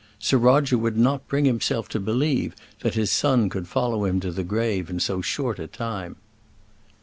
Sir Roger would not bring himself to believe that his son could follow him to the grave in so short a time.